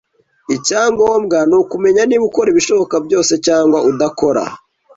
Icyangombwa nukumenya niba ukora ibishoboka byose cyangwa udakora.